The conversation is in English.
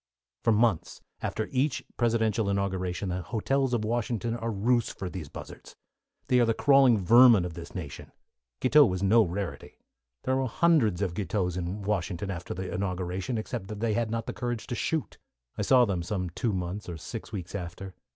For months after each presidential inauguration the hotels of Washington are roosts for these buzzards. They are the crawling vermin of this nation. Guiteau was no rarity. There were hundreds of Guiteaus in Washington after the inauguration, except that they had not the courage to shoot. I saw them some two months or six weeks after.